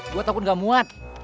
gua takut gak muat